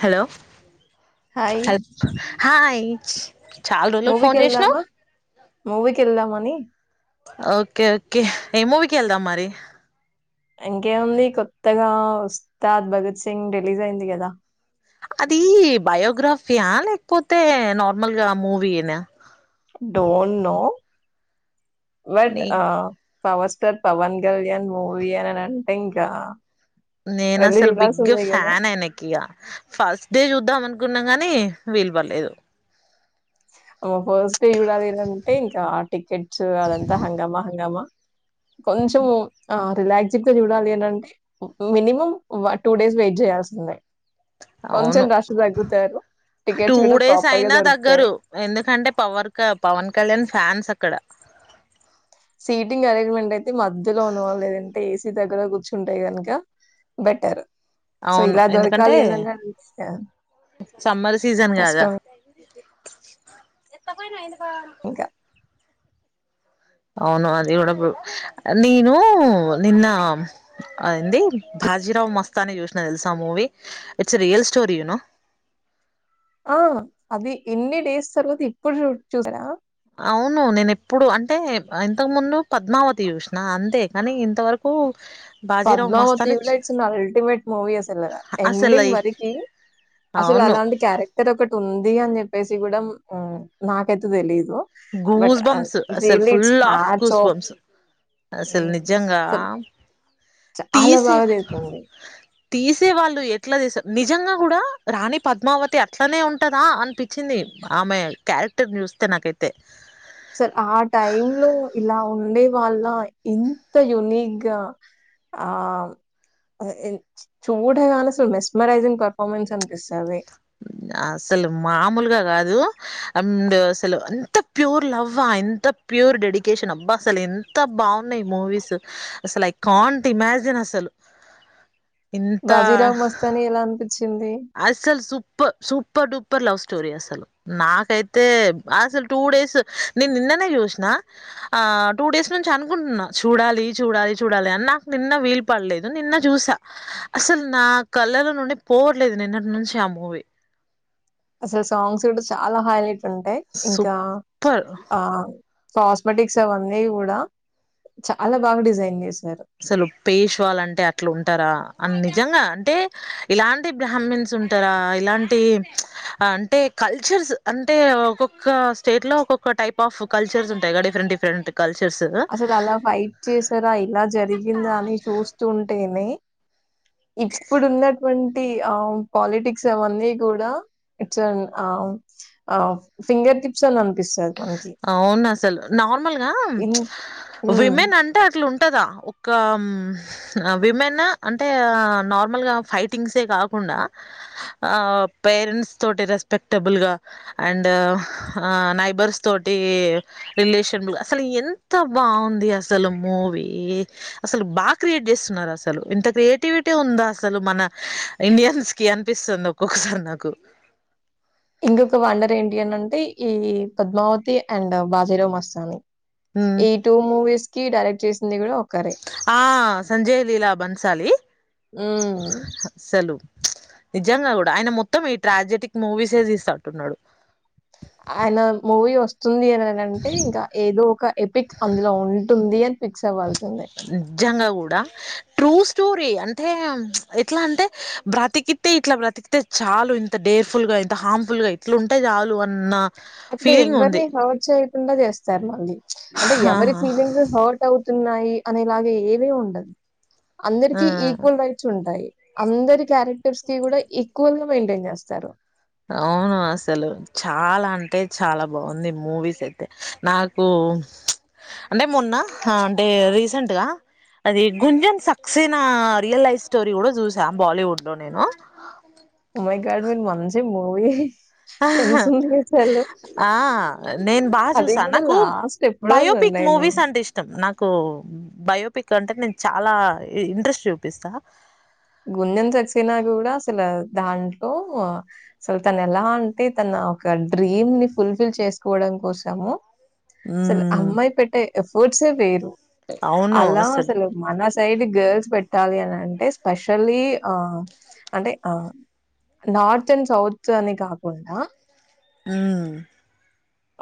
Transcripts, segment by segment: Hello hi! హా చాలా రోజులకు ఫోన్ చేసినావు మూవీకి వెళ్దామని ఓకే ఓకే ఏమవకి వెళ్దా మరి ఇంకేముంది కొత్తగా ఉస్తస్తాద్ భగత్ సింగ్ రెలీజ్ అయింది కదా అది బయోగ్రఫియా లేకపోతే నార్మల్గా మూవీనా డోంట్ నో బట్ నే ఆ power star Pawan Kalyan movie అని అంటే ఇంకా నేను వెళ్లి అసలు బిగ్గ జూడాల్సిందే గదా! ఫ్యాన్ అయినకి ఫస్ట్ డే చద్ద అమ గున్నా గాని వీలు పర్లేదు అమ్మ ఫస్ట్ చూడాలిదంటే ఇంకా టికెట్స్ అదంతా హంగామా హంగామా కొంచం రాక్స్ చూడాలి ఏంటంటే మినిమం టూ డేస్ వెయిట్ చేయాల్సిందే కొంచెం అవును రష్ తగ్గుతారు టూ టికెట్స్ కూడా డేస్ ప్రాపర్ గా అయినా దొరుకుతాయి దగ్గరు ఎందుకంటే పవర్ క పవన్ కళ్యాణ్ ఫ్యాన్స్ అక్కడ సీటింగ్ అరేంజ్మెంట్ అయితే మధ్యలో ఉన్నవాల లేదంటే ఏసీ దగ్గర కూర్చుంటాయి కనుక బెటర్ సో అవును ఇలా ఎందుకంటే దొరకాలి ఏనిన్నాంటే సమ్మర్ సీజన్ కాద ఇంకా. అవును అది కూడాడ నను నిన్న అంది హాజీరావవు మస్తాని చూసిన తెలుసా ఆ మూవీ ఇట్స్ అ రియల్ స్టోర ూను ఆ అది ఎన్ని డేస్ తర్వాత ఇప్పుడు చూ చూసారా అవును నేను ఎప్పుడు అంటే ఇంతకు ముందు పద్మావతి చూష్ిన అంతే కానీ ఇంతవరకు బాజీరావు మస్తాని చ్ పద్నామతియులైట్స్ అల్టిమేట్ మూవీస్ అా అసలు ఎండింగ్ ఈ వరకి అసలు అవును అలాంటి క్యారెక్టర్ ఒకటి ఉంది అని చెప్పేసి కూడా నాకైతే తెలిదు గూస్ బంస్ అసలు ఫుల్ ఆఫ్ గూస్ బంస్ అసలు హ్మ్. నిజంగా అసలు చాలా తీసే బాగా జతుంది తీసే వాళ్ళు ఎట్లా తీసారు నిజంగా కూడా రాణి పద్మావతి అట్లనే ఉంటదా అనిపించింది ఆమె క్యారెక్టర్ ని చూస్తే నాకైతే సార్ ఆ టై లో ఇలా ఉండే వాళ్ళ ఇంత యునీక్గా ఆ చూడగానే అసలు మెస్మరైజింగ్ పర్ఫార్మెన్స్ అనిపిస్తుంది అసలు మామూలుగా కాదు అండ్ అసలు అంత ప్యూర్ లవ్ ఎంత ప్యూర్ డెడికేషన్ అబ్బా అసలు ఎంత బాగున్నాయి మూవీస్ అసలు ఐ కాంట్ ఇమాజిన్ అసలు ఇంత బజీరావ మస్తని ఎలా అ అసలు సూ సూపర్ డూపర్ లవ్ స్టోరీ అసలు నాకైతే అసలు టూ డేస్ నేను నిన్ననే చూసిన ఆ టూ డేస్ నుంచి అనుకుంటున్నా చూడాలి చూడాలి చూడాలి అని నాకు నిన్న వీలుపడలేదు నిన్న చూసా అసలు నా కలలనుండి లేదు నిన్నటి నుంచ ఆ మూవీ అసలు సాంగ్స్ కూడా చాలా హైలైట్ ఉంటాయి ఇంకా సూపర్ ఆ కాస్మెటిక్స్ అవన్నీ కూడా చాలా బాగా డిజైన్ చేసిాయి అసలు పేష్వాాలంటే అట్లు ఉంటారా అన్ని నిజంగా అంటే ఇలాంటి బ్రాహ్మన్స్ ఉంటారా ఇలాంటి అంటే కల్చర్ అంటే ఒక్కొక్క స్టేట్ లో ఒక్కొక్క టైప్ ఆఫ్ కల్చర్స్ ఉంటాయి క డిఫరెంట్ డిఫరెంట్ కల్చర్స్ అసలు అలా ఫైట్ చేసారా ఇలా జరిగిందా అని చూస్తుంటేనే ఇప్పుడు ఉన్నటువంటి ఆ పాలిటిక్స్ అవన్నీ కూడా ఇట్స్ ఫింగర్టిప్స్ అన్ అనిపిస్తది మనకి. అవును అసలు నార్మల్గా ఇన్ హ్మ్. విమెన్ అంటే అ ఉంటదా ఒక విమెన్ అంటే నార్మల్ గా ఫైటింగ్సు కాదు కాకుండా ఆ పేరెంట్స్ తోటి రెస్పెక్టబుల్గా అండ్ ఆ నయి బర్స్త తోటి రిలేషన్ అసలు ఎంత బాగుంది అసలు మూవీ అసలు బాగా క్రియేట్ చేస్తున్నారు అసలు ఇంత క్రియేటివిటీ ఉందా అసలు మన ఇండియన్స్ కి అనిపిస్తు స్తుంది ఒక్కొక్కసారి నాకు ఇంకొక వండర్ ఏంటి అని అంటే ఈ పద్మావతి అండ్ బాజీరావు మస్తాని హ్మ్. ఈ టూ మూవీస్ కి డైరెక్ట్ చేసింది కూడా ఒకరే ఆ సంజయ్ లీలా బన్సాలి ఉమ్ అసలు నిజంగా కూడా ఆయన మొత్తం ఈ ట్రాజెటిక్ మూవీసే తీస్త అంటున్నాడు అయన మూవీ వస్తుంది అనింటే ఇంకా ఏదో ఒక ఎపిక్ అందులో ఉంటుంది అని ఫిక్స్ అవ్వాల్సిందే నిజంగా కూడా స్టోరీ అంటే ఎట్లా అంటే బ్రతికితే ఇట్లా బ్రతికితే చాలు ఇంత డేర్ఫుల్ గా ఇంత హార్మ్ఫుల్ గా ఎట్లా ఉంటాయి చాలు అన్న అట్డ ఫీలింగ్ ఉంది ఎవరిని హర్ట్ చేయకుండా చేస్తారు మళ్ళీ అంటే ఎవరి ఆహా. ఫీలింగ్స్ హర్ట్ అవు తున్నాయి అనేలాగ ఏవే ఉండదు ఆ అందరికి ఈక్వల్ రైట్స్ ఉంటాయి అందరి క్యారెక్టర్స్ కి కూడా ఈక్వల్ గా మెయింటైన్ చేస్తారు అవును అసలు చాలా అంటే చాలా బాగుంది మూవీస్ అయితే నాకు అంటే మొన్న అంటే రీసెంట్గా అది గుంజన్ సక్సెస్ అయిన రియల్ లైఫ్ స్టోరీ కూడా చూసా బాలీవుడ్ లో నేను ఓ మై గాడ్ మీ మంచి మూవీ ఆహా సెంస్ ఉంది ఆ నేను బాగా అది చూసా గూడా నాకు లాస్ట్ ఎప్పుడో బయోపిక్ నేను మూవీస్ అంటే ఇష్టం నాకు బయోపిక్ కంటే నేను చాలా ఇంట్రెస్ట్ చూపిస్తా గుజెం చసినా కూడా అసలు దాంట్లో అసలు తను ఎలా అంటే తన ఒక డ్రీమ్ ని ఫుల్ఫిల్ చేసుకోవడం కోసము అసలు మ్మ్ అమ్మాయి పెట్టే ఎఫెర్ట్సే వేరు అలా అసలు మన సైడ్ గర్ల్స్ పెట్టాలి అనింటే స్పెషలీ ఆ అంటే ఆ నార్త్ అండ్ సౌత్ అని కాకుండా హుమ్మ్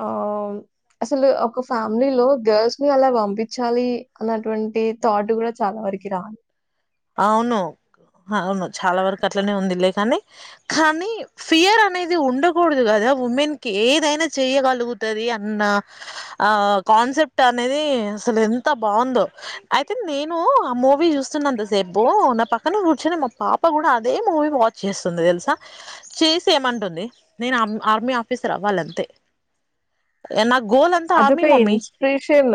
ఆ అసలు ఒక ఫ్యామిలీలో గర్ల్స్ ని అలా పంపించాలి అన్నటువంటి థాట్ కూడా చాలా వరకి రాదు అవును అ చాలా వరకు అట్లనే ఉంది లే కాని కానీ ఫియర్ అనేది ఉండకూడదు కదా ఉమెన్ కి ఏదైనా చెయగలుగుతుంది అన్న ఆ కాన్సెప్ట్ అనేది అసలు ఎంత బాగుందో అయితే నేను ఆ మూవీ చూస్తున్నా సేపు నా పక్కన కూర్చుని మా పాప కూడా అదే మూవీ వాచ్ చేస్తుంది తెలుసా చేసి అంటుంది నే ఆర్మీ ఆఫీసర్ అవ్వాలే అదొక ఇన్స్పిరేషన్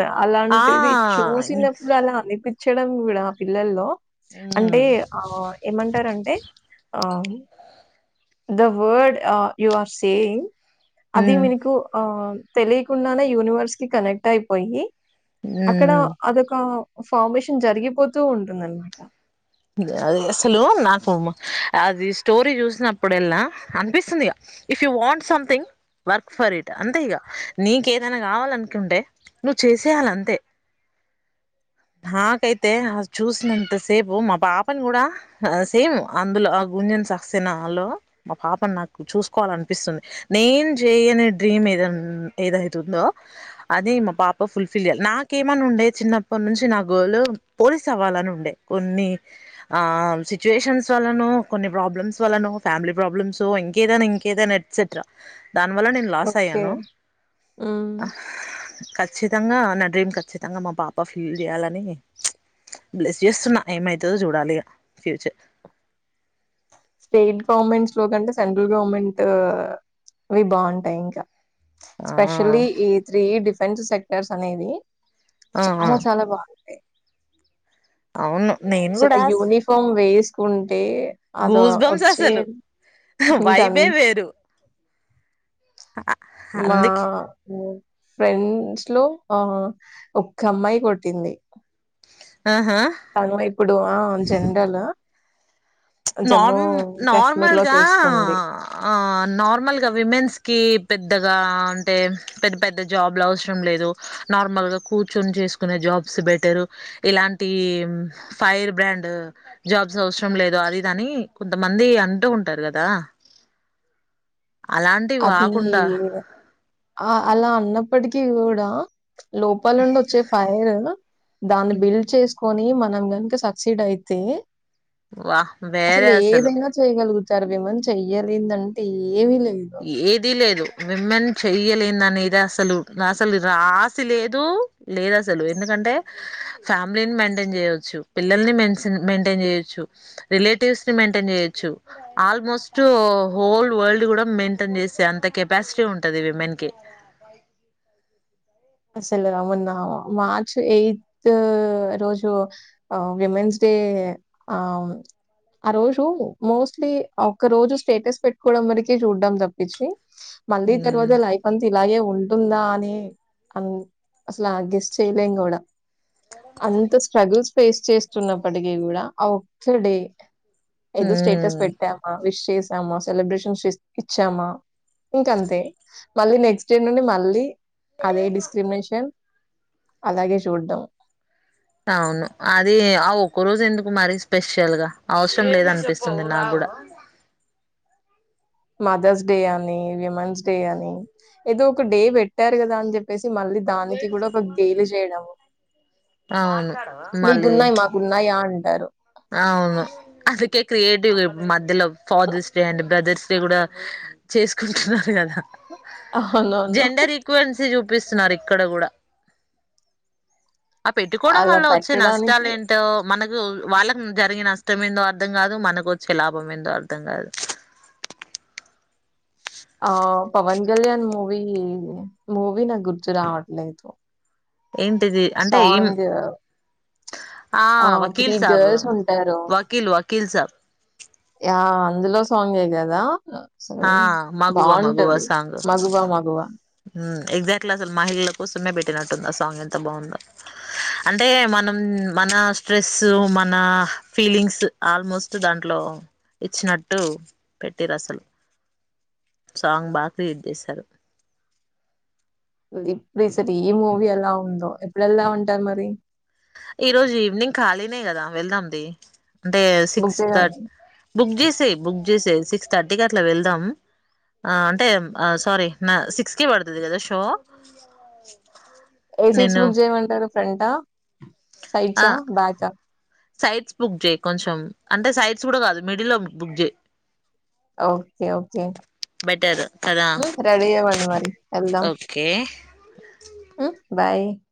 ఆ అలాంటిది చూసినప్పుడు అలా అనిపి చ్చడం కూడా పిల్లల్లో అంటే మ్ ఆ ఏమంటారంటే the word you are saying అది మ్ మీకు ఆ తెలియకుండానే యూనివర్స్ కి కనెక్ట్ అయిపోయి అక్కడ మ్ అదొక ఫార్మేషన్ జరిగిపోతూ ఉంటుందన్నమాట అ అసలు నాకు అది స్టోరీ చూసినప్పుడు ఎల్లా అనిపిస్తుంది if you want something work for it అంతే ఇగా నీకేదైనా కావాలనుకుంటే నువ్వు చేసేయాలే అంతే [inaudible] నాకైతే చూసినంత సేపు మా పాపని కూడా సేమ్ అందులో ఆ గుంజని సక్సెనలో మా పాపను నాకు చూసుకో అనిపిస్తుంది నేను చేయనే డ్రీమ్ ఏదన్నా ఏదైతుందో అది మా పాప ఫుల్ ఫిల్ చేయాలి నాకేమని ఉండే చిన్నప్పటి నుంచి నా గోలు పోలీస్ అవ్వాలని ఉండే కొన్ని ఆ సిచ్యుయేషన్స్ వల్లనో కొన్ని ప్రాబ్లమ్స్ వల్లనో ఫ్యామిలీ ప్రాబ్లమ్స్ ఇంకేదైనా ఇంకే ఏదన్న ఎక్సెట్రా దాని వల్ల నేను లాస్ ఓకే. అయ్యాను హ్మ్. ఖచ్చితంగా నా డ్రీమ్ ఖచ్చితంగా మా పాప ఫిల్ చేయాలని బ్లెస్ చేస్తున్నా ఏమైతుందో చూడాలిగా ఫ్యూచర్ స్టేట్ గవర్నమెంట్స్ లో కంటే సెంట్రల్ గవర్నమెంట్ అవి బాగుంటాయి ఇంకా ఆ స్పెషల్లీ ఈ త్రీ డిఫెన్స్ సెక్టర్స్ అనేవి ఆ ఆ చాలా చాలా బాగుంటాయి అవును నేను అసలు కూడా యూనిఫామ్ వేసుకుం అంటే అద గూస్ బంప్స్ వచ్చే అసలు ఇంకా వైబే వేరు మా అందుకే ఫ్రెండ్స్ లో ఆ ఒక్క అమ్మాయి కొట్టింది ఆహా తను ఇప్పుడు ఆ జనరల్ జమ్మూ నార్ నార్మల్ కాశ్మీర్‌లో గా చేస్తుంది. నార్మల్గా విమెన్స్ కి పెద్ద అంటే పెద్ద పెద్ద జాబ్లు అవసరం లేదు నార్మల్ గా కూర్చొని చేసుకునే జాబ్స్ బెటర్రు ఇలాంటి ఫైర్ బ్రాండ్ జాబ్స్ అవసరం లేదు అది దని కొంతమంది అంటూ ఉంటారు కదా అలాంటివి అది కాకుండా ఆ అలా అన్నప్పటికీ కూడా లోపాల నుండి వచ్చే ఫైర్ దాన్ని బిల్డ్ చేస్ కొని మనం గనుక సక్సీడ్ అయితే వా అసలు వేరే ఏదైనా చేయగలుగు విమెన్ చేయలేందంటే ఏమీ లేదు ఏది లేదు విమెన్ చెయ్యలేని అనేది అసలు అసలు రాసి లేదు లేదు అసలు ఎందుకంటే ఫ్యామిలీని మెయింటైన్ చేయవచ్చు పిల్లల్ని మెన్ మెయింటైన్ చేయొచ్చు రిలేటివ్స్ ని మెయింటైన్ చేయొచ్చు ఆల్మోస్ట్ హోల్ వరల్డ్ కూడా మెయింటైన్ చేసే అంత కెపాసిటీ ఉంటంది విమెన్ కీ అసలు అవునా మార్చ్ ఎయితు రోజు విమెన్స్ డే ఏ అవును ఆ రోజు మోస్ట్లీ ఆ ఒక్క రోజు స్టేటస్ పెట్టుకోవడం వరకి చూడ్డాం తప్పించి మళ్ళీ ఉమ్ తరువాత లైఫ్ అంత ఇలాగే ఉంటుందా అని అసలు ఆ గెస్ చేయలేం కూడా అంత స్ట్రగుల్స్ ఫేస్ చేస్తున్నప్పటికీ కూడా ఒకడే ఏదో స్టేటస్ ఉమ్ పెట్టామా విష్ చేసామా సెలబ్రేషన్స్ ఇచ్చామా ఇంక అంతే మళ్ళీ నెక్స్ట్ డే నుండి మళ్ళీ అదే డిస్క్రిమినేషన్ అలాగే చూడం అవును అది ఆ ఒక్క రోజు ఎందుకు మరి స్పెషల్గా అవసరం లేదు అనిపిస్తుంది నాగు అ [inaudible] మదర్స్ డే అని విమెన్స్ డే అని ఏదో ఒక డే పెట్టారు కదా అని చెప్పేసి మళ్ళీ దానికి కూడా ఒక గేలీ చేయడము అవును మీకున్నాయి మాకున్నాయా అంటారు అ అవును అసలికే క్రియేటివ్ మధ్యలో ఫాదర్స్ డే అండ్ బ్రదర్స్ కూడా చేసుకుంటున్నారు కదా అవునవును. జెండర్ ఈక్వెన్సీ పిస్తున్నారు ఇక్కడ కూడా ఆ పెట్టుకోవడం అలా వల్ల వచ్చే నష్టాలు పెట్టడానికి ఏంటో మనకు వాళ్ల ఉమ్ జరిగే నష్టం ఏందో అర్థం కాదు మనకు వచ్చే లాభం ఏందో అర్థం కాదు ఆ పవన్ కళ్యాణ్ మూవీ మూవీ నాకు గుర్తురావట్లేదు ఏంటిది అంటే ఈ సాంగు ఆ త్రీ వకీల్ సాబ్ గర్ల్స్ ఉంటారు వకీల్ వకీల్ సాబ్ యా అందులో సాంగ్ ఎ కదా అ సరే ఆ మగువా మగువా బాగుంటది సాంగ్ మగువా మగువా ఎగ్జాక్ట్లీ అసలు మహిళల కోసమే పెట్టినట్టుంది ఆ సాంగ్ ఎంత బాగుందో అంటే మనం మన స్ట్రెస్ మన ఫీలింగ్స్ ఆల్మోస్ట్ దాంట్లో రో ఇచ్చినట్టు పెట్టారు అసలు సాంగ్ బాగా [unintelligible] తీస్తారు ఇప్పుడు తీసా ఈ మూవీ ఎలా ఉందో ఎప్పుడు వెళ్దాం అంటారు మరి ఈ రోజు ఈవినింగ్ ఖాళీనే కదా వెళ్దాంది అంటే బుక్ సిక్స్ చేయమన్ థర్ బుక్ చేసేయి బుక్ చేసే సిక్స్ థర్టీకి అట్లా వెళ్దామ్ ఆ అంతే ఆ సారీ నా సిక్స్ కి పడతాది కదా షో ఏ సీట్స్ నేను బుక్ చేయమంటారు ఫ్రెంటా సైట్స్ ఆ బేక సైట్స్ బుక్ చేయి కొంచెం అంటే సైట్స్ కూడా కాదు మిడిల్ లో బుక్ చేయి ఓకే ఓకే బెటర్ కదా రెడీ అవ్వండి మరి ఎల్దాం ఓకే హ్ం బాయ్